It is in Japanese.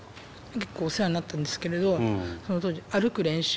結構お世話になったんですけれどその当時歩く練習。